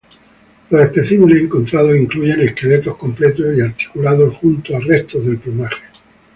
Los especímenes encontrados incluyen esqueletos completos y articulados junto a restos del plumaje.